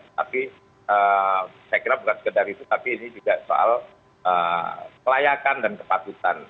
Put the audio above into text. tapi saya kira bukan sekedar itu tapi ini juga soal kelayakan dan kepatutan